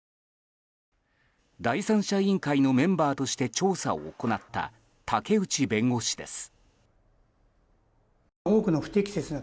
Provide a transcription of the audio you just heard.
第三者委員会のメンバーとして調査を行った竹内弁護士です。